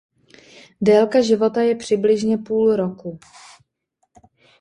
Délka života je přibližně půl roku.